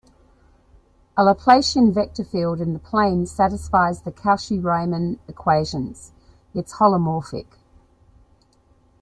A Laplacian vector field in the plane satisfies the Cauchy-Riemann equations: it is holomorphic.